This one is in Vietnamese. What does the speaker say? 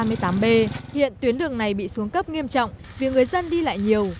hiện tuyến đường này bị xuống cấp nghiêm trọng vì người dân đi lại nhiều